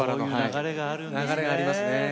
流れがありますね。